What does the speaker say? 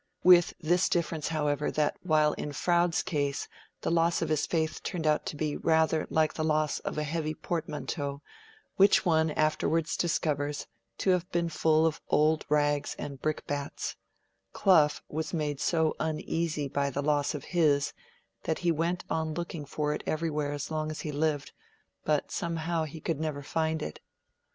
With this difference, however, that while in Froude's case the loss of his faith turned out to be rather like the loss of a heavy portmanteau, which one afterwards discovers to have been full of old rags and brickbats, Clough was made so uneasy by the loss of his that he went on looking for it everywhere as long as he lived; but somehow he never could find it.